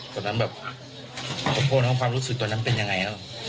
ตอนนั้นแบบพ่อแล้วความรู้สึกตอนนั้นเป็นยังไง